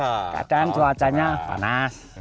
kalau keadaan cuacanya panas